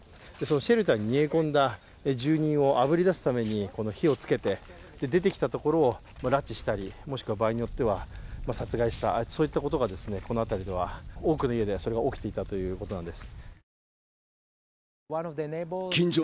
シェルターに逃げ込んだ住人をあぶり出すために、火をつけて、出てきたところを拉致したり、もしくは場合によっては殺害した、そういったことがこの辺りでは多くの家ではそれが起きていたということなんです。